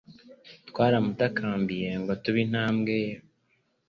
Twaramutakambiye ngo turebe intambwe ye.